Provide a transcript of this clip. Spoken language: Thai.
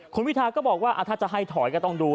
คุณพิทาก็บอกว่าถ้าจะให้ถอยก็ต้องดู